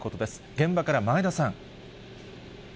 現場から前田さん。